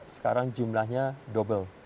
sekarang jumlahnya double